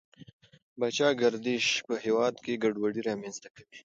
پاچا ګردشي په هېواد کې ګډوډي رامنځته کوي.